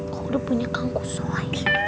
kok udah punya kangkus soal